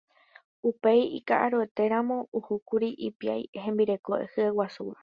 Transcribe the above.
Upéi ika'aruetémarõ ohókuri ipiári hembireko hyeguasúva.